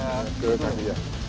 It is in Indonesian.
ini tadi ya